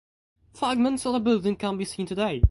Fragments of the building can be seen today.